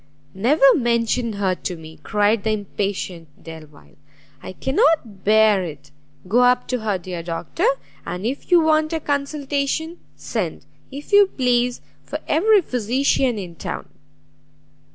"Never mention her to me!" cried the impatient Delvile, "I cannot bear it! Go up to her, dear Doctor, and if you want a consultation, send, if you please, for every physician in town."